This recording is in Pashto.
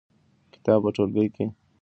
کتاب په ټولګي کې ولوستل شو.